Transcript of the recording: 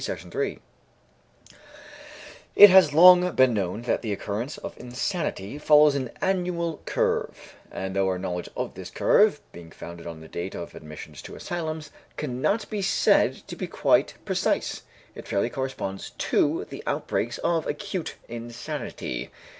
It has long been known that the occurrence of insanity follows an annual curve, and though our knowledge of this curve, being founded on the date of admissions to asylums, cannot be said to be quite precise, it fairly corresponds to the outbreaks of acute insanity.